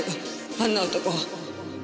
あんな男。